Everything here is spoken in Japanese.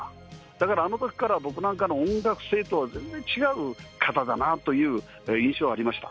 だからあのときから、僕なんかの音楽性とは全然違う方だなという印象はありました。